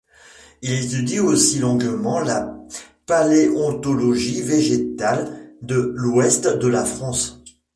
Il étudie aussi longuement la paléontologie végétale de l'Ouest de la France.